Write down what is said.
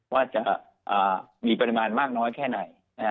ว่าจะมีปริมาณมากน้อยแค่ไหน